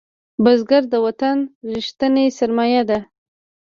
بزګر د وطن ریښتینی سرمایه ده